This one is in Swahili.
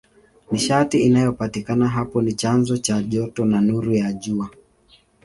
Nishati inayopatikana hapo ni chanzo cha joto na nuru ya Jua.